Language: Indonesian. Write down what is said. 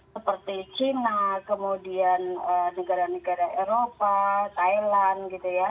seperti china kemudian negara negara eropa thailand gitu ya